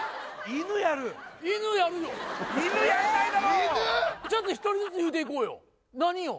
犬やるよちょっと１人ずつ言うていこうよ何よ？